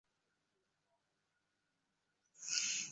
প্রাতঃকালে উঠিয়াই মহেন্দ্র বিহারীর বাড়ি গেল।